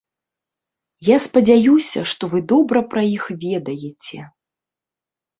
Я спадзяюся, што вы добра пра іх ведаеце.